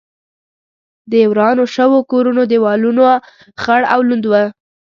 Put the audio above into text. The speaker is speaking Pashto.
د ورانو شوو کورونو دېوالونه خړ او لوند و.